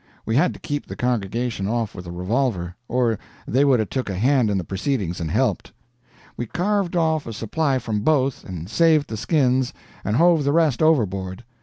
We had to keep the congregation off with the revolver, or they would 'a' took a hand in the proceedings and helped. We carved off a supply from both, and saved the skins, and hove the rest overboard.